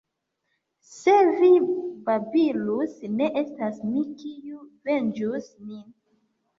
Se vi babilus, ne estas mi, kiu venĝus min.